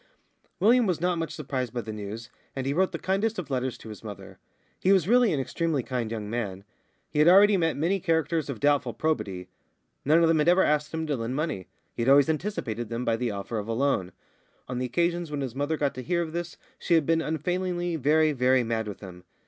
William was not much surprised by the news, and he wrote the kindest of letters to his mother. He was really an extremely kind young man. He had already met many characters of doubtful probity. None of them had ever asked him to lend money; he had always anticipated them by the offer of a loan. On the occasions when his mother got to hear of this she had been unfailingly very, very mad with him.